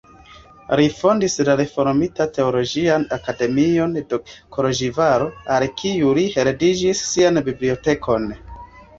Li fondis la reformitan teologian akademion de Koloĵvaro, al kiu li heredigis sian bibliotekon.